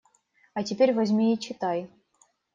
А теперь возьми и читай.